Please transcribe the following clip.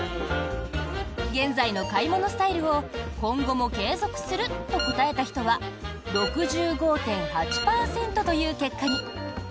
現在の買い物スタイルを今後も継続すると答えた人は６５．８％という結果に。